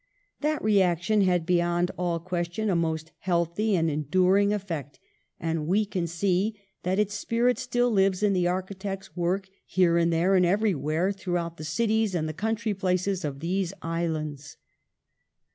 That reaction had beyond all question a most healthy and enduring effect, and we can see that its spirit still lives in the architect's work here, there, and everywhere through out the cities and the country places of these islands.